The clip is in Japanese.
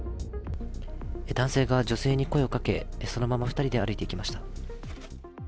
男性が女性に声をかけ、そのまま２人で歩いていきました。